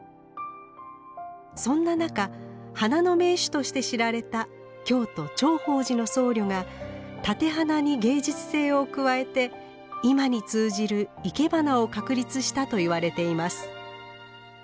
そんな中花の名手として知られた京都頂法寺の僧侶が立て花に芸術性を加えて今に通じるいけばなを確立したといわれています。